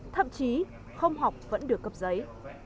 thậm chí không học vẫn được cấp giấy